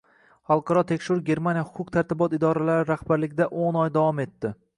Xalqaro tekshiruv Germaniya huquq-tartibot idoralari rahbarligidao´noy davom etdi